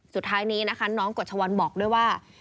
สุดท้ายนี้นะคะน้องกฎชวันบอกด้วยว่า